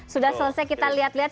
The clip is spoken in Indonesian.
sudah selesai kita lihat lihat